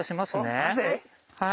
はい。